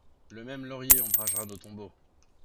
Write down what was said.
Le même laurier ombragera nos tombeaux !